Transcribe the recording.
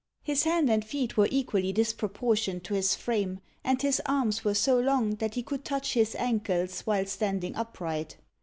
His hands and feet were equally disproportioned to his frame, and his arms were so long that he could touch his ankles while standing upright.